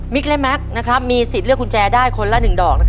และแม็กซ์มีสิทธิ์เลือกกุญแจได้คนละ๑ดอก